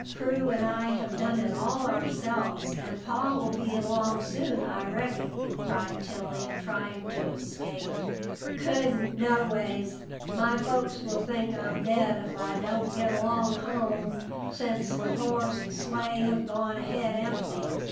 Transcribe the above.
Prue and I have done it all ourselves, and Pa will be along soon, I reckon," cried Tilly, trying to escape. "Couldn't, no ways. My folks will think I'm dead ef I don't get along home, sence the horse and sleigh have gone ahead empty.